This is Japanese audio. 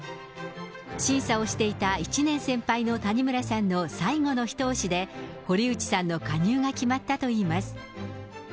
審査をしていた１年先輩の谷村さんの最後の一押しで、堀内さんの加入が決まったといいます。